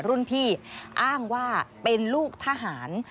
รุ่นพี่อ้างว่าเป็นลูกทหาร